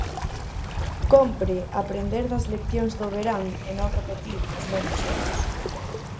Cómpre aprender das leccións do verán e non repetir os mesmos erros.